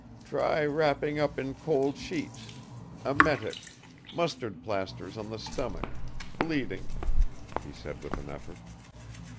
"Try wrapping up in cold sheets ... emetic ... mustard plasters on the stomach ... bleeding," he said with an effort.